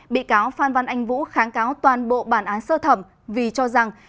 bị cáo phan văn anh vũ kháng cáo toàn bộ bản án sơ thẩm vì cho rằng